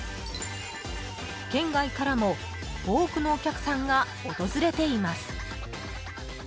県外からも多くのお客さんが訪れています。